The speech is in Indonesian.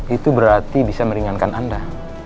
itu berarti bisa meringankan anda